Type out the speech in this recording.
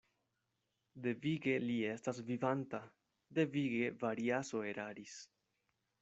Devige li estas vivanta; devige Variaso eraris.